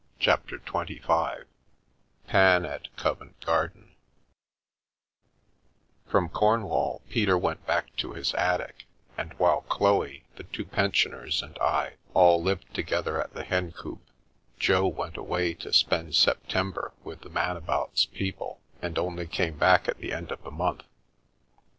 CHAPTER XXV PAN AT COVENT GARDEN FROM Cornwall Peter went back to his attic, and while Chloe, the two pensioners and I all lived to gether at the Hencoop, Jo went away to spend September with the Man about's people and only came back at the end of the month.